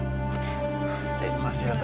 makasih ya tuhan